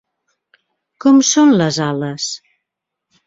Com són les ales?